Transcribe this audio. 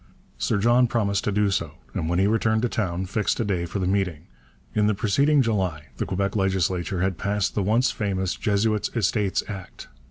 Sir John promised to do so, and when he returned to town fixed a day for the meeting. In the preceding July the Quebec legislature had passed the once famous Jesuits' Estates Act.